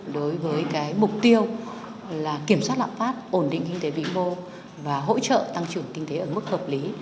đối với mục tiêu kiểm soát lạm phát ổn định kinh tế vĩ mô và hỗ trợ tăng trưởng kinh tế ở mức hợp lý